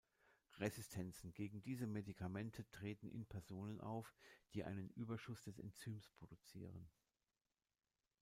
Resistenzen gegen diese Medikamente treten in Personen auf, die einen Überschuss des Enzyms produzieren.